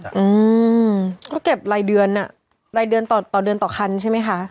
ทุกคนก็เก็บรายเดือนต่อฮันใช่ไหมคะ